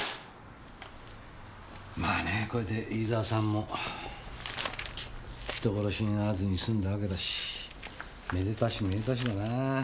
まあねこれで飯沢さんも人殺しにならずに済んだわけだしめでたしめでたしだな。